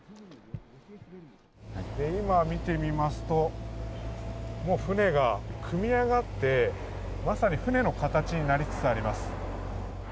今、見てみますともう船が組み上がってまさに船の形になりつつあります。